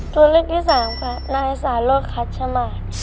ช่วยเรื่องนี้สามค่ะนายสารโรคคัชชะมา